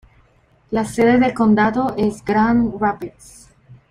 La sede de condado es Grand Rapids.